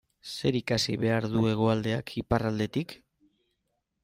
Zer ikasi behar du Hegoaldeak Iparraldetik?